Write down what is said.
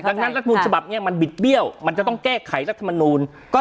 ดังนั้นรัฐมนูลฉบับนี้มันบิดเบี้ยวมันจะต้องแก้ไขรัฐมนูล